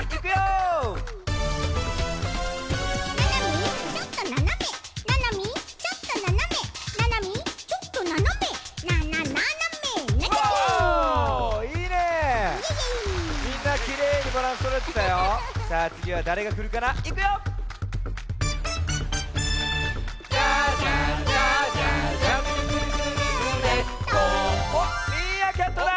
おっミーアキャットだ！